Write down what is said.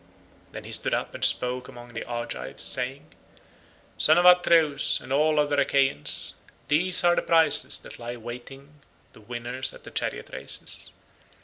Then he stood up and spoke among the Argives saying— "Son of Atreus, and all other Achaeans, these are the prizes that lie waiting the winners of the chariot races.